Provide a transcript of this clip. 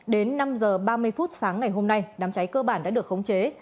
đến năm h ba mươi phút sáng ngày hôm nay đám cháy cơ bản đã được khống chế